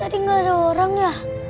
kok dari tadi gak ada orang ya